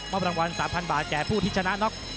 ตรงกลาง๓๐๐๐บาทแก่ผู้ที่ชนะน็อก